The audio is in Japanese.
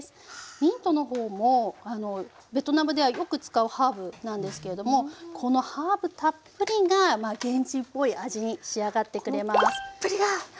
ミントの方もあのベトナムではよく使うハーブなんですけれどもこのハーブたっぷりが現地っぽい味に仕上がってくれます。